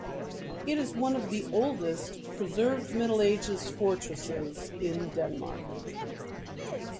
It is one of the oldest, preserved Middle Ages fortresses in Denmark.